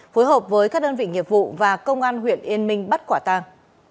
phối hợp với các đơn vị nghiệp vụ và công an huyện yên minh bắt quả tang